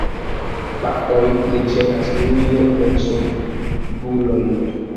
Faktoj ne ĝenas tiujn mensogulojn.